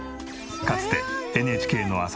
かつてＮＨＫの朝